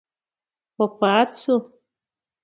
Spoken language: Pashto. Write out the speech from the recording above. وفات شو.